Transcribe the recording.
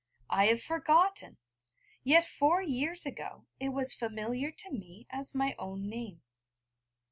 I have forgotten! Yet four years ago it was familiar to me as my own name.